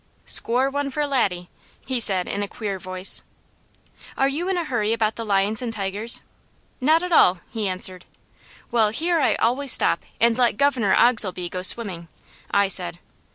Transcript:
"Score one for Laddie," he said in a queer voice. "Are you in a hurry about the lions and tigers?" "Not at all," he answered. "Well, here I always stop and let Governor Oglesby go swimming," I said.